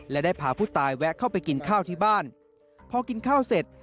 และได้พาผู้ตายแวะเข้าไปกินข้าวที่บ้านพอกินข้าวเสร็จ